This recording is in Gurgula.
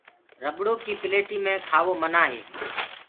رٻڙو ڪيٚ پليٽي مي کآوو منآه هي۔